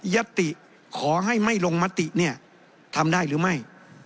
ยัตติขอให้ไม่ลงมติเนี่ยทำได้หรือไม่